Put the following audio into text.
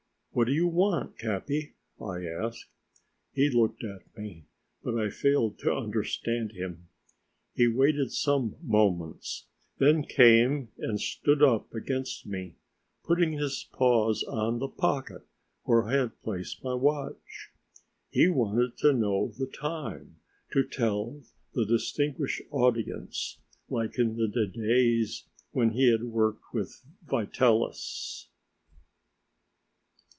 "What do you want, Capi?" I asked. He looked at me, but I failed to understand him. He waited some moments, then came and stood up against me, putting his paws on the pocket where I had placed my watch. He wanted to know the time to tell the "distinguished audience," like in the days when he had worked with Vitalis.